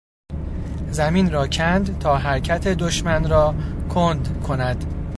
زمین را کند تا حرکت دشمن را کند کند